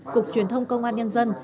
cục truyền thông công an nhân dân